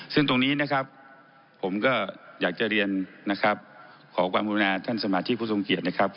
ซึ่งตรงนี้นะครับผมก็อยากจะเรียนขอบทธันประธานสมาชิกผู้สมเกียจนะครับ